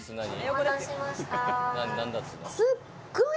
すっごい！